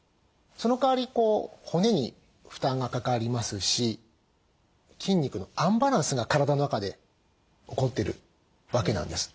そのかわりこう骨に負担がかかりますし筋肉のアンバランスが体の中で起こってるわけなんです。